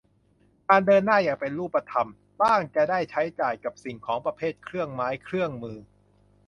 การเดินหน้าอย่างเป็นรูปธรรม บ้างจะได้ใช้จ่ายกับสิ่งของประเภทเครื่องไม้เครื่องมือ